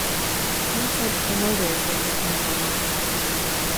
King said Promoters were making more money.